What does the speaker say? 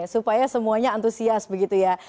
supaya semuanya antusias begitu ya